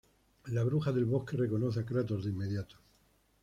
La bruja del bosque reconoce a Kratos de inmediato.